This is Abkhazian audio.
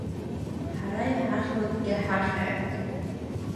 Ҳара иҳахьлакгьы ҳахьааит!